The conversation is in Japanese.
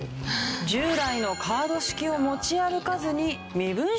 従来のカード式を持ち歩かずに。